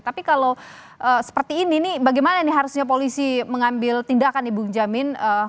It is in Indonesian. tapi kalau seperti ini bagaimana ini harusnya polisi mengambil tindakan ibu njamin